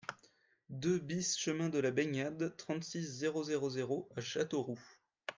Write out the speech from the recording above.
deux BIS chemin de la Baignade, trente-six, zéro zéro zéro à Châteauroux